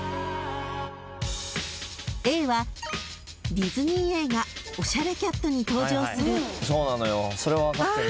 ［Ａはディズニー映画『おしゃれキャット』に登場する］